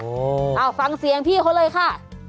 เอาฟังเสียงพี่เขาเลยค่ะ